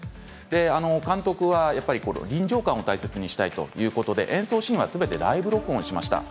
監督は、やっぱり臨場感を大切にしたいということで演奏シーンはすべてライブ録音しました。